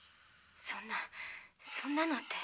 そんなそんなのって。